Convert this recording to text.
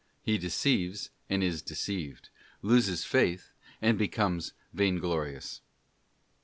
He deceives and is deceived, loses faith, and becomes vainglorious.